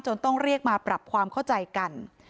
ต้องเรียกมาปรับความเข้าใจกัน